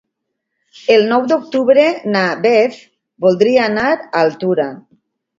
El nou d'octubre na Beth voldria anar a Altura.